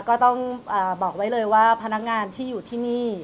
ก็ต้องบอกไว้เลยว่าพนักงานที่อยู่ที่นี่